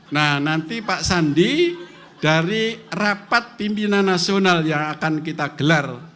nah nanti pak sandi dari rapat pimpinan nasional yang akan kita gelar